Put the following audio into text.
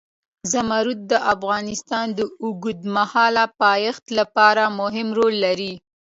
زمرد د افغانستان د اوږدمهاله پایښت لپاره مهم رول لري.